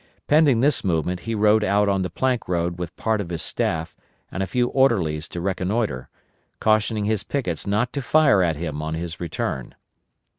Pending this movement he rode out on the Plank Road with part of his staff and a few orderlies to reconnoitre, cautioning his pickets not to fire at him on his return.